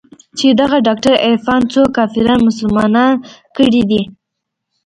چې دغه ډاکتر عرفان څو کافران مسلمانان کړي دي.